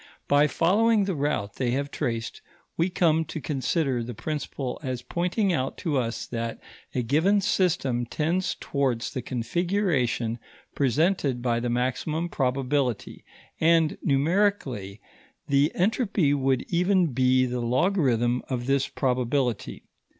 By following the route they have traced, we come to consider the principle as pointing out to us that a given system tends towards the configuration presented by the maximum probability, and, numerically, the entropy would even be the logarithm of this probability.